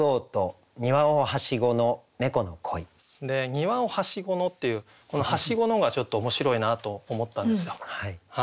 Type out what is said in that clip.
「庭をはしごの」っていうこの「はしごの」がちょっと面白いなと思ったんですよ。